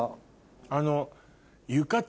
あの。